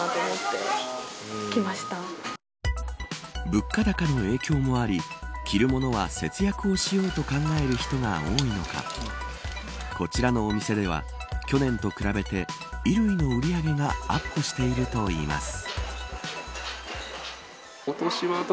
物価高の影響もあり着るものは節約をしようと考える人が多いのかこちらのお店では去年と比べて衣類の売り上げがアップしているといいます。